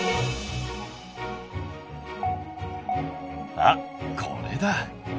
あっこれだ！